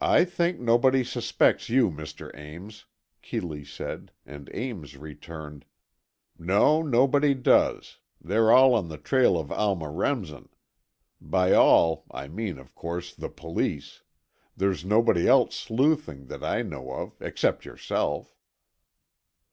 "I think nobody suspects you, Mr. Ames," Keeley said, and Ames returned: "No, nobody does. They're all on the trail of Alma Remsen. By all, I mean of course, the police; there's nobody else sleuthing, that I know of, except yourself."